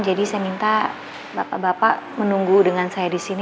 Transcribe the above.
jadi saya minta bapak bapak menunggu dengan saya disini